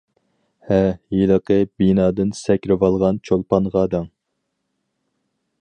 -ھە، ھېلىقى بىنادىن سەكرىۋالغان چولپانغا دەڭ.